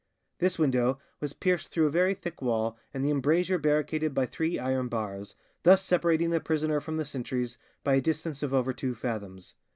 This window was pierced through a very thick wall and the embrasure barricaded by three iron bars, thus separating the prisoner from the sentries by a distance of over two fathoms.